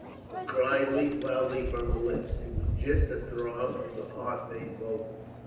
The cry leaped loudly from her lips. It was just a throb of the heart made vocal.